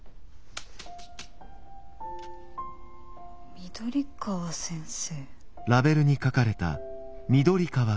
緑川先生？